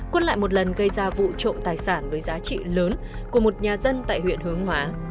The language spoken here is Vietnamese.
quân lại một lần gây ra vụ trộm tài sản với giá trị lớn của một nhà dân tại huyện hướng hóa